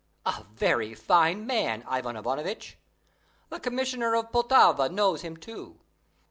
A very fine man, Ivan Ivanovitch! The commissioner of Poltava knows him too.